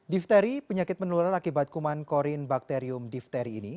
diphteri penyakit menular akibat kuman korin bakterium diphteri ini